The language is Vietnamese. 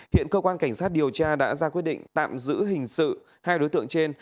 hiện cơ quan cảnh sát điều tra đã ra quyết định tạm giữ hình sự hai đối tượng trên